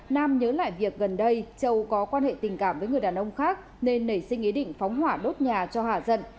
nam nhớ lại việc gần đây châu có quan hệ tình cảm với người đàn ông khác nên nảy sinh ý định phóng hỏa đốt nhà cho hạ dận